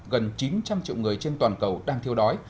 gần chín trăm linh triệu người trên toàn cầu đang thiêu đói